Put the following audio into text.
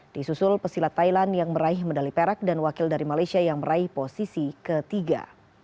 disusul pesilat thailand yang meraih medali perak dan wakil dari malaysia yang meraih posisi ketiga